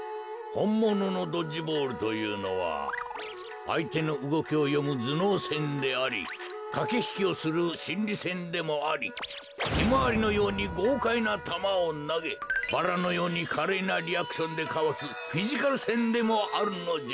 ほんもののドッジボールというのはあいてのうごきをよむずのうせんでありかけひきをするしんりせんでもありヒマワリのようにごうかいなたまをなげバラのようにかれいなリアクションでかわすフィジカルせんでもあるのじゃ。